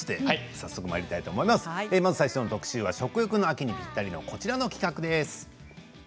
最初の特集は食欲の秋にぴったりのこちらの企画です。